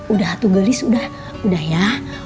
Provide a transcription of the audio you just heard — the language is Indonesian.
udah tuh gelis udah ya